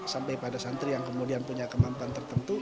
sampai pada santri yang kemudian punya kemampuan tertentu